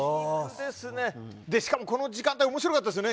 しかもこの時間帯面白かったですよね。